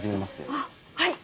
あっはい。